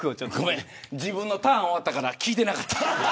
自分のターンが終わったから聞いてなかった。